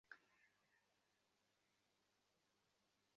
এদের নাচের মানে, তালে তালে শরীর অনাবৃত করে দেখানো।